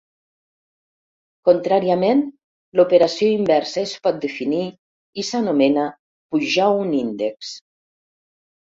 Contràriament, l'operació inversa es pot definir i s'anomena "pujar un índex".